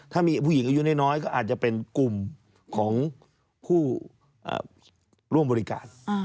ถ้ามีผู้หญิงอายุน้อยก็อาจจะเป็นกลุ่มของผู้ร่วมบริการ